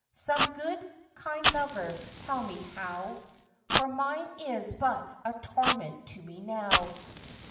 Some good, kind lover, tell me how: For mine is but a torment to me now.